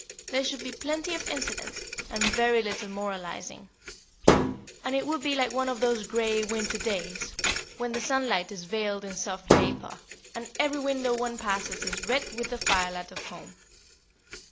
There should be plenty of incident, and very little moralising; and it would be like one of those grey winter days, when the sunlight is veiled in soft vapour, and every window one passes is red with the firelight of home."